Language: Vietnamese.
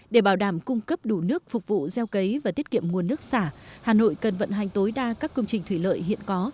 để bảo đảm cung cấp đủ nước phục vụ gieo cấy và tiết kiệm nguồn nước xả hà nội cần vận hành tối đa các công trình thủy lợi hiện có